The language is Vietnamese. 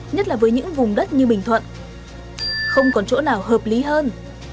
nhất là với những vùng đất như bình thuận không còn chỗ nào hợp lý hơn